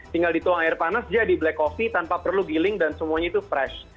tinggal dituang air panas dia di black coffee tanpa perlu giling dan semuanya itu fresh